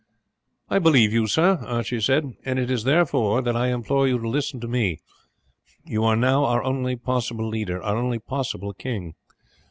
"I believe you, sir," Archie said, "and it is therefore that I implore you to listen to me. You are now our only possible leader, our only possible king.